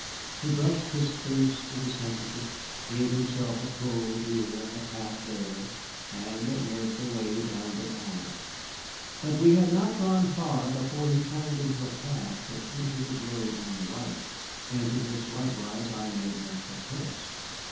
He brushed his face with his handkerchief, gave himself a pull here and a pat there, and led the way down the alley. But we had not gone far before he turned into a path that entered the grove on the right, and to this likewise I made no protest.